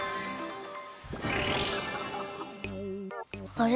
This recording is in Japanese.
あれ？